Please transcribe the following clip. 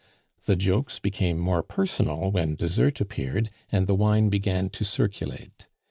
The jokes became more personal when dessert appeared and the wine began to circulate.